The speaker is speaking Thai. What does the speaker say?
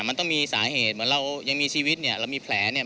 มันต้องมีสาเหตุเหมือนเรายังมีชีวิตเนี่ยเรามีแผลเนี่ย